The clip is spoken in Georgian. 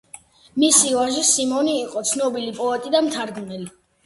მისი ვაჟი, სიმონი, იყო ცნობილი პოეტი და მთარგმნელი.